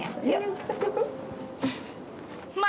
iya cepet mbak